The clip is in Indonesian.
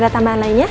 ada tambahan lainnya